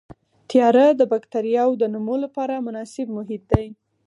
تیاره د بکټریاوو د نمو لپاره مناسب محیط دی.